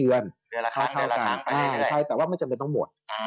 เดือนละครั้งใช่แต่ว่าไม่จำเป็นต้องหมด